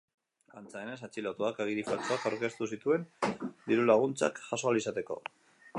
Antza denez, atxilotuak agiri faltsuak aurkeztu zituen diru-laguntzak jaso ahal izateko.